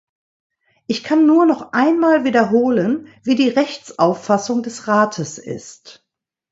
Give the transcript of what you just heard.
Ich kann nur noch einmal wiederholen, wie die Rechtsauffassung des Rates ist.